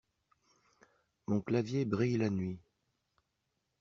Mon clavier brille la nuit.